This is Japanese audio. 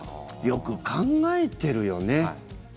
よく考えてるよね。